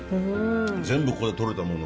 全部ここでとれたもの？